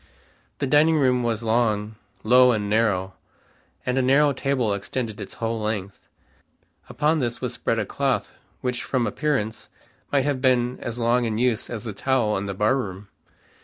The dining room was long, low and narrow, and a narrow table extended its whole length. Upon this was spread a cloth which from appearance might have been as long in use as the towel in the barroom.